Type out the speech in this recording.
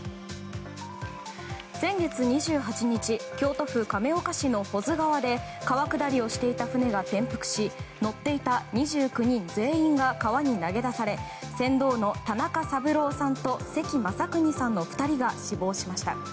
先月２８日京都府亀岡市の保津川で川下りをしていた船が転覆し乗っていた２９人全員が川に投げ出され船頭の田中三郎さんと関雅有さんの２人が死亡しました。